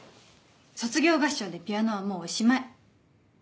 卒業合唱でピアノはもうおしまい。